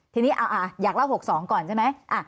ทีนี้อยากเล่า๖๒ก่อนใช่ไหม